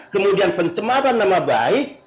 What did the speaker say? kemudian pencemaran nama baik